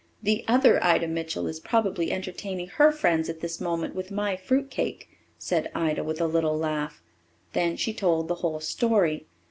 "The other Ida Mitchell is probably entertaining her friends at this moment with my fruit cake," said Ida, with a little laugh. Then she told the whole story.